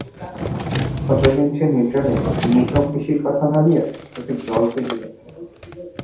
কতদিন সে নির্জনে এই নিতম পিসিব কথা ভাবিয়া চোখের জল ফেলিয়াছে!